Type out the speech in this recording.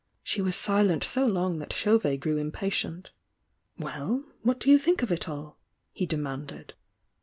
She was silent so long that Chauvet grew impatient. "Well! What do you think of it all?" he de manded.